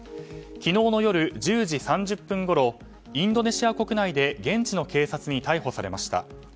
昨日の夜１０時３０分ごろインドネシア国内で現地の警察に逮捕されました。